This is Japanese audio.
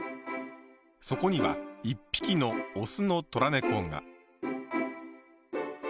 そこには一匹のオスのトラ猫が。